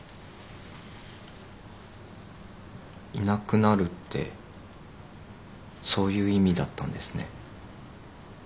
いなくなるってそういう意味だったんですね。